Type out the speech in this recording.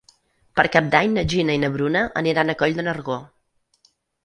Per Cap d'Any na Gina i na Bruna aniran a Coll de Nargó.